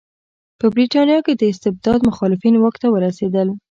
په برېټانیا کې د استبداد مخالفین واک ته ورسېدل.